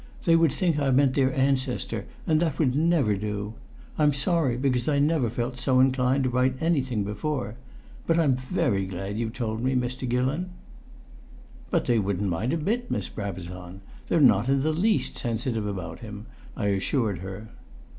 They would think I meant their ancestor, and that would never do. I'm sorry, because I never felt so inclined to write anything before. But I'm very glad you told me, Mr. Gillon." "But they wouldn't mind a bit, Miss Brabazon! They're not in the least sensitive about him," I assured her.